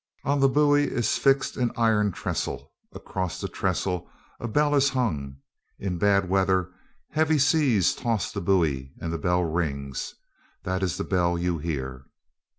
On the buoy is fixed an iron trestle, and across the trestle a bell is hung. In bad weather heavy seas toss the buoy, and the bell rings. That is the bell you hear."